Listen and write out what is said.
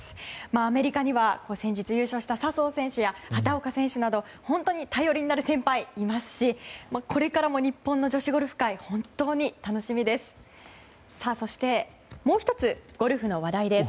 アメリカには先日優勝した笹生選手や畑岡選手など本当に頼りになる先輩がいますしこれからも日本の女子ゴルフ界本当に楽しみです。